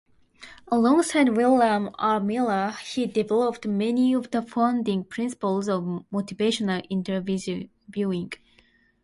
Alongside William R Miller he developed many of the founding principles of motivational interviewing.